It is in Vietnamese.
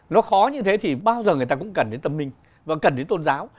nó khó như thế thì bao giờ người ta cũng cần đến tâm linh và cần đến tôn giáo